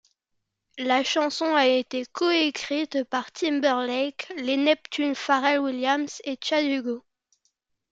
La chanson a été coécrite par Timberlake, les Neptunes, Pharrell Williams et Tchad Hugo.